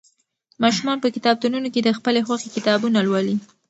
ماشومان په کتابتونونو کې د خپلې خوښې کتابونه لولي.